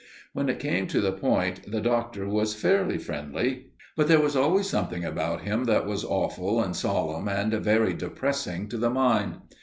When it came to the point, the Doctor was fairly friendly, but there was always something about him that was awful and solemn and very depressing to the mind.